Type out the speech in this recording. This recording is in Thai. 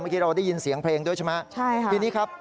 เมื่อกี้เราได้ยินเสียงเพลงด้วยใช่ไหมครับพี่นี้ครับใช่ครับ